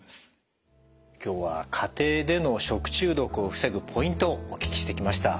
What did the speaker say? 今日は家庭での食中毒を防ぐポイントをお聞きしてきました。